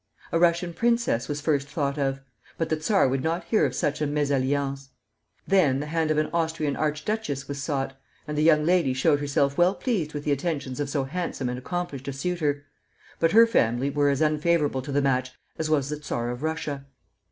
A Russian princess was first thought of; but the Czar would not hear of such a mésalliance. Then the hand of an Austrian archduchess was sought, and the young lady showed herself well pleased with the attentions of so handsome and accomplished a suitor; but her family were as unfavorable to the match as was the Czar of Russia.